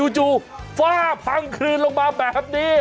จู่ฝ้าพังคลืนลงมาแบบนี้